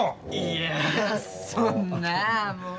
いやそんなもう。